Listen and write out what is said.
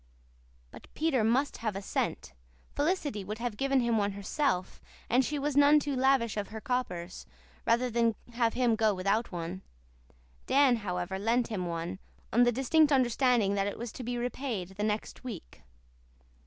But Peter must have a cent. Felicity would have given him one herself and she was none too lavish of her coppers rather than have him go without one. Dan, however, lent him one, on the distinct understanding that it was to be repaid the next week.